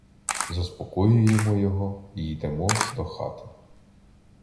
Заспокоюємо його і йдемо до хати.